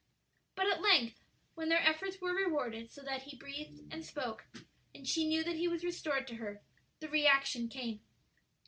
But at length, when their efforts were rewarded so that he breathed and spoke, and she knew that he was restored to her, the reaction came.